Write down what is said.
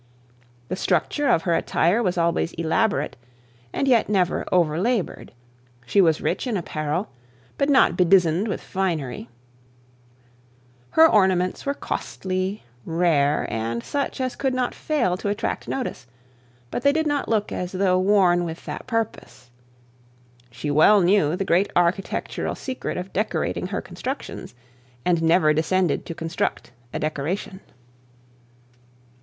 The structure of her attire was always elaborate, and yet never over laboured. She was rich in apparel, but not bedizened with finery; her ornaments were costly, rare, and such as could not fail to attract notice, but they did not look as though worn with that purpose. She well knew the great architectural secret of decorating her constructions, and never condescended to construct a decoration.